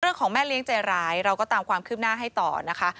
แม่เลี้ยงใจร้ายเราก็ตามความคืบหน้าให้ต่อนะคะ